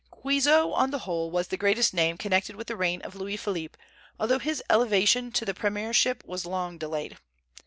Guizot, on the whole, was the greatest name connected with the reign of Louis Philippe, although his elevation to the premiership was long delayed.